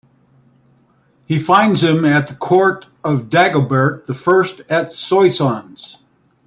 He finds him at the court of Dagobert the First at Soissons.